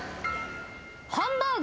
ハンバーグ。